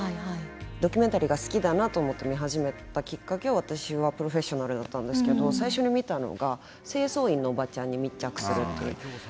ドキュメンタリーが好きだなと思って見始めたきっかけは私は「プロフェッショナル」だったんですけど最初に見たのが清掃員のおばちゃんに密着するっていう。